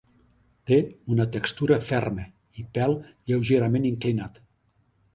Té una textura ferma i pèl lleugerament inclinat.